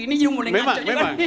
ini yang mulai ngacau memang memang